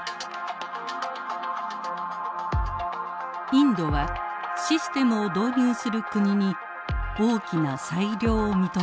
インドはシステムを導入する国に大きな裁量を認めています。